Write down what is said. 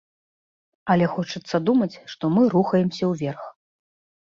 Але хочацца думаць, што мы рухаемся ўверх.